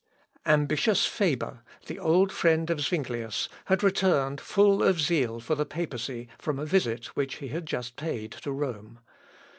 ] Ambitious Faber, the old friend of Zuinglius, had returned full of zeal for the papacy from a visit which he had just paid to Rome.